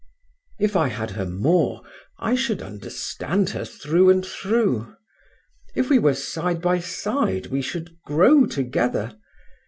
"If I had her more, I should understand her through and through. If we were side by side we should grow together.